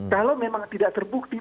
kalau memang tidak terbukti